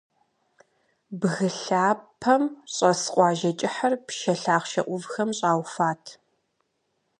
Бгы лъапэм щӀэс къуажэ кӀыхьыр пшэ лъахъшэ Ӏувхэм щӀауфат.